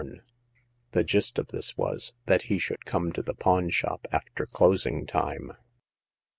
The gist of this was, that he should come to the pawn shop after closing time.